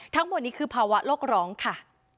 ทั้งหมดนี้คือภาวะโลกร้องค่ะ